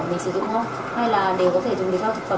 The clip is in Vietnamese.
vâng vâng vâng